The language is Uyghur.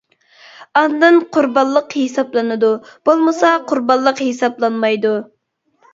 ئاندىن قۇربانلىق ھېسابلىنىدۇ، بولمىسا قۇربانلىق ھېسابلانمايدۇ.